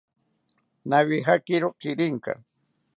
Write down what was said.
Nawijakiro kirinka